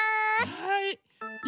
はい。